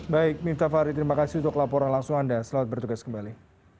baik miftah fahri terima kasih untuk laporan langsung anda selamat bertugas kembali